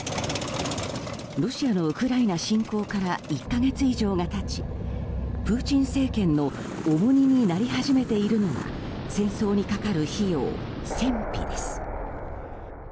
ロシアのウクライナ侵攻から１か月以上が経ちプーチン政権の重荷になり始めているのが戦争にかかる費用、戦費です。